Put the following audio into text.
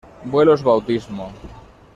Vuelos Bautismo.